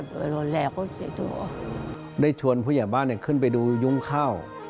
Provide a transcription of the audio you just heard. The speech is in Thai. ได้ชวนผู้ใหญ่บ้านขึ้นไปดูยุงข้าว